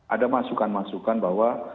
ada masukan masukan bahwa